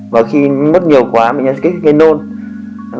và khi nuốt nhiều quá bệnh nhân sẽ kích cái nôn